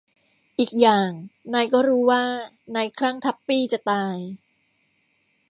อีกอย่าง นายก็รู้ว่านายคลั่งทัปปี้จะตาย